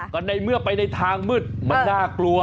ก็ในเมื่อไปในทางมืดมันน่ากลัว